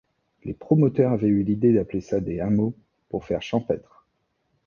Les promoteurs avaient eu l’idée d’appeler ça des « hameaux », pour faire champêtre.